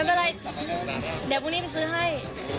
ได้เป็นไรเดี๋ยวพวกนี้ไปซื้อให้